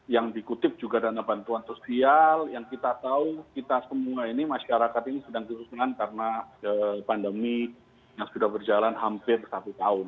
yang dikutip juga dana bantuan sosial yang kita tahu kita semua ini masyarakat ini sedang kerusuhan karena pandemi yang sudah berjalan hampir satu tahun